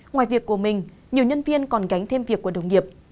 ngoài việc của mình nhiều nhân viên còn gánh thêm việc của đồng nghiệp